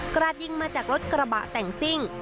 ราดยิงมาจากรถกระบะแต่งซิ่ง